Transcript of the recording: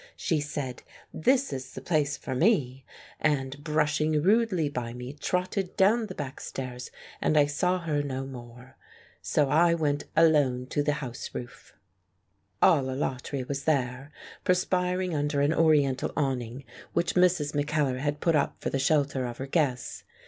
She said, "This is the place for me," and brushing rudely by me trotted down the biick stairs and I saw her no more. So I went alone to the house roof. "All Alatri " was there, perspiring under an Oriental awning, which Mrs. Mackellar had put up for the shelter of her guests.